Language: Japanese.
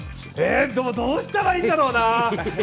どうしたらいいんだろうな！